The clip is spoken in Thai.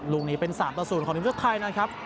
รุ่นนี้เป็น๓๐ของทีมวิชาไทยนะครับ